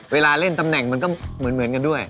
เล่นตำแหน่งมันก็เหมือนกันด้วย